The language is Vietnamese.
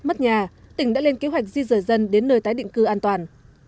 mất nhà tỉnh đã lên kế hoạch di rời dân đến nơi tái định cư an toàn